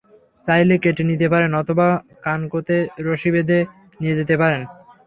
চাইলে কেটে নিতে পারেন অথবা কানকোতে রশি বেঁধে নিয়ে যেতে পারেন।